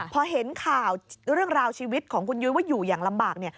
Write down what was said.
พอเห็นข่าวเรื่องราวชีวิตของคุณยุ้ยว่าอยู่อย่างลำบาก